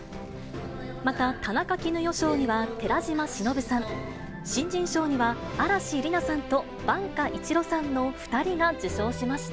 また、田中絹代賞には、寺島しのぶさん、新人賞には嵐莉菜さんと番家一路さんの２人が受賞しました。